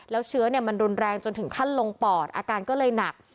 แล้วเชื้อมันรุนแรงจนถึงขั้นลงปอดอาการก็เลยหนัก